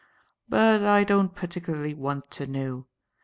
But I don't particularly want to know.